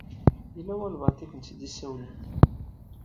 Yella walebɛaḍ i akent-id-isawlen?